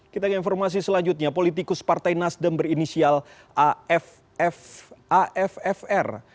kita ke informasi selanjutnya politikus partai nasdem berinisial affr